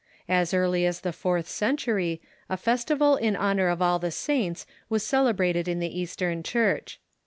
As early as the fourth 134 THE MEDI.EYAL CIIUKCH century a festival in honor of all the saints was celebrated in the Eastern Church.